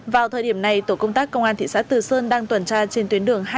vào thời điểm này tổ công tác công an thị xã từ sơn đang tuần tra trên tuyến đường hai trăm chín mươi năm b